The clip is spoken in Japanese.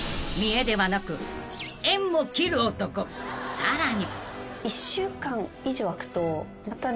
［さらに］